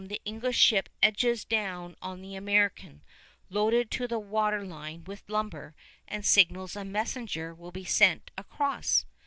the English ship edges down on the American, loaded to the water line with lumber, and signals a messenger will be sent across.